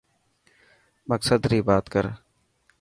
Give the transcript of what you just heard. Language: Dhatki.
مقصد ري بات ڪر.